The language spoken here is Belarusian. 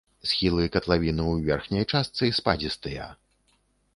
Схілы катлавіны ў верхняй частцы спадзістыя.